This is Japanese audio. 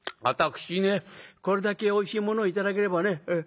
これだけおいしいものを頂ければね」。